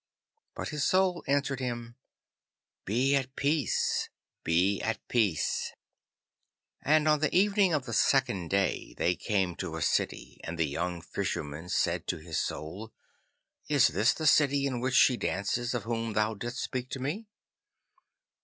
But his Soul answered him, 'Be at peace, be at peace.' And on the evening of the second day they came to a city, and the young Fisherman said to his Soul, 'Is this the city in which she dances of whom thou didst speak to me?